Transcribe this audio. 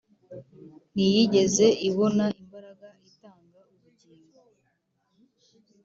ntiyigeze ibona imbaraga itanga ubugingo